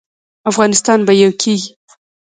افغانستان به یو کیږي